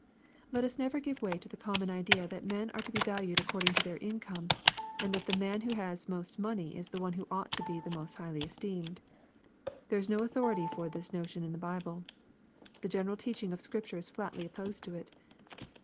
Let us never give way to the common idea that men are to be valued according to their income, and that the man who has most money is the one who ought to be the most highly esteemed. There is no authority for this notion in the Bible. The general teaching of Scripture is flatly opposed to it.